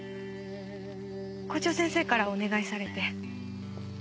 校長先生からお願いされて。